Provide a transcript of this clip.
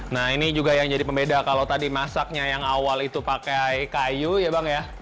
nah ini juga yang jadi pembeda kalau tadi masaknya yang awal itu pakai kayu ya bang ya